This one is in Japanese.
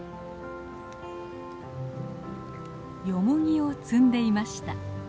ヨモギを摘んでいました。